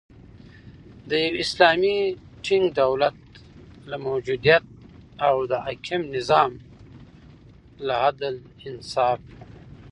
د یو اسلامی ټینګ دولت له موجودیت او د حاکم نظام له عدل، انصاف